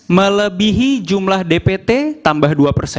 melebihi jumlah dpt tambah dua persen